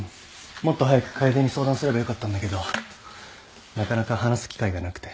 もっと早く楓に相談すればよかったんだけどなかなか話す機会がなくて。